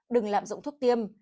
đừng lạm dụng thuốc tiêm